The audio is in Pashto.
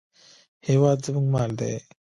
هېواد زموږ مال دی